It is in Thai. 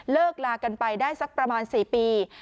ลากันไปได้สักประมาณ๔ปี